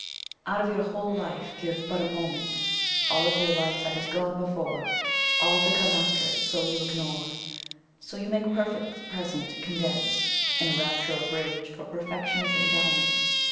Out of your whole life give but a moment ! All of your life that has gone before, All to come after it, — so you ignore So you make perfect the present, — condense, In a rapture of rage, for perfection's endowment.